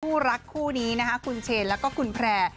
คู่รักคู่นี้นะคะคุณเชนแล้วก็คุณแพร่